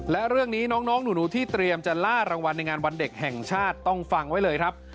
และเรื่องนี้น้องหนูที่เตรียมจะล่ารางวัลในงานวันเด็กแห่งชาติต้องฟังไว้เลยครับ